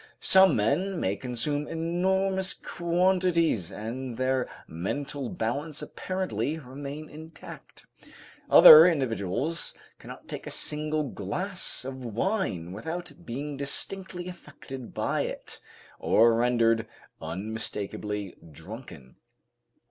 Some men may consume enormous quantities and their mental balance apparently remain intact. Other individuals cannot take a single glass of wine without being distinctly affected by it, or rendered unmistakably drunken.